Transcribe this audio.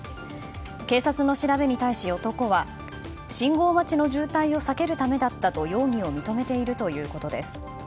警察の調べに対し、男は信号待ちの渋滞を避けるためだったと容疑を認めているということです。